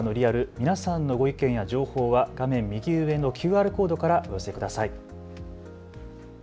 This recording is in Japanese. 皆さんのご意見や情報は画面右上のＱＲコードからお寄せください。